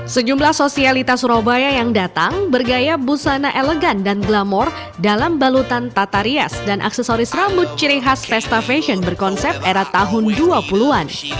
sejumlah sosialitas surabaya yang datang bergaya busana elegan dan glamor dalam balutan tata rias dan aksesoris rambut ciri khas pesta fashion berkonsep era tahun dua puluh an